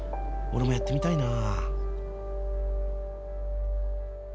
俺もやってみたいな。